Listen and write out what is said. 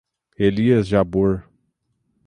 Elias Jabbour